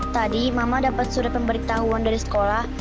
tadi mama dapat surat pemberitahuan dari sekolah